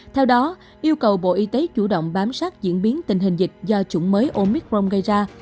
theo đó yêu cầu bộ y tế chủ động bám sát diễn biến tình hình dịch do chủng mới omicron gây ra